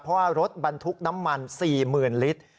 เพราะว่ารถบรรทุกน้ำมัน๔๐๐๐ลิตร